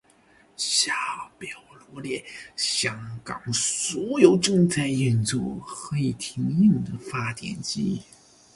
下表罗列香港所有正在运作和已停用的发电厂。